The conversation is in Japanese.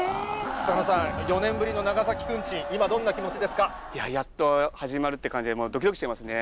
草野さん、４年ぶりの長崎くいや、やっと始まるという感じで、どきどきしていますね。